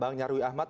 bang nyarwi ahmad